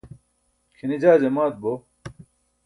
kʰine jaa jamaat bo